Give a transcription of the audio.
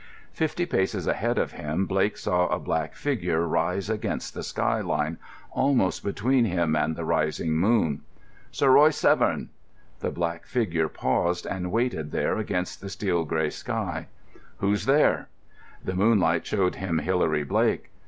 Fifty paces ahead of him Blake saw a black figure rise against the sky line, almost between him and the rising moon. "Sir Royce Severn." The black figure paused, and waited there against the steel grey sky. "Who's there?" The moonlight showed him Hilary Blake.